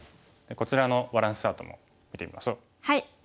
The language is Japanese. こちらのバランスチャートも見てみましょう。